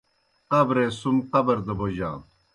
قبرے سم قبر دہ بوجانوْ